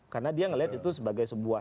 karena dia melihat itu sebagai sebuah